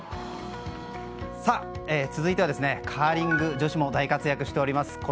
続いてはカーリング女子も大活躍しております。